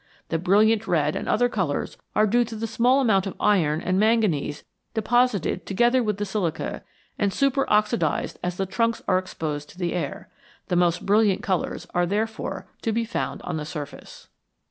The brilliant red and other colors are due to the small amount of iron and manganese deposited together with the silica, and super oxydized as the trunks are exposed to the air. The most brilliant colors are therefore to be found on the surface."